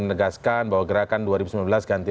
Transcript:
menegaskan bahwa gerakan dua ribu sembilan belas ganti